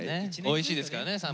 おいしいですからねさんま。